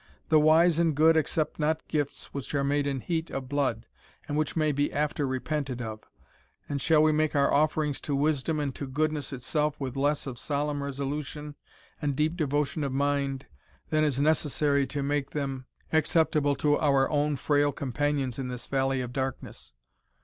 The wise and good accept not gifts which are made in heat of blood, and which may be after repented of; and shall we make our offerings to wisdom and to goodness itself with less of solemn resolution and deep devotion of mind, than is necessary to make them acceptable to our own frail companions in this valley of darkness?